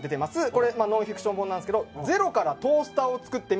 これノンフィクション本なんですけど『ゼロからトースターを作ってみた結果』という。